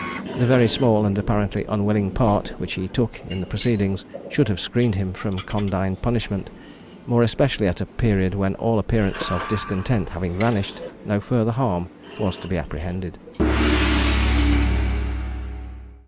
The very small, and apparently unwilling part which he took in the proceedings, should have screened him from condign punishment, more especially at a period when all appearance of discontent having vanished, no further harm was to be apprehended.